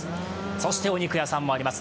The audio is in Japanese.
そしてお肉屋さんもあります。